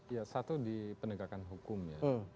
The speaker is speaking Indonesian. ya satu di penegakan hukum ya